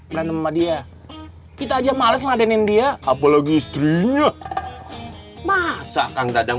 berantem sama dia kita aja males laden india apalagi istrinya masa kang dadang